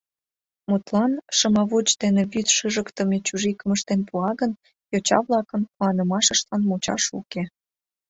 Мутлан, шымавуч дене вӱд шыжыктыме чужикым ыштен пуа гын, йоча-влакын куанымашыштлан мучаш уке.